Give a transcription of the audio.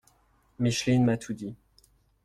Micheline m’a tout dit.